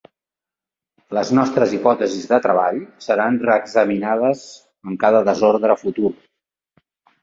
Les nostres hipòtesis de treball seran reexaminades en cada desordre futur.